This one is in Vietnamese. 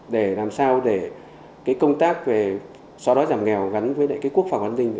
để làm sao để công tác về xóa đói giảm nghèo gắn với lại quốc phòng an ninh